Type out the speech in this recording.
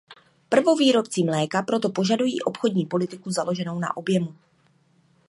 Prvovýrobci mléka proto požadují obchodní politiku založenou na objemu.